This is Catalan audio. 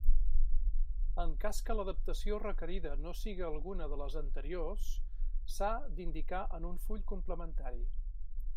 En cas que l'adaptació requerida no siga alguna de les anteriors, s'ha d'indicar en un full complementari.